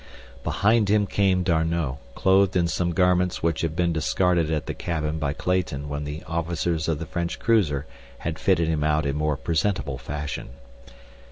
Behind him came D'Arnot, clothed in some garments which had been discarded at the cabin by Clayton when the officers of the French cruiser had fitted him out in more presentable fashion.